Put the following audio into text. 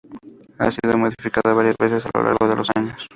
Ha sido modificada varias veces a lo largo de los años.